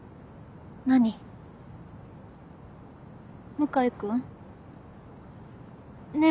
向井君ねぇ